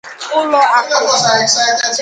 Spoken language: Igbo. ụlọ akụ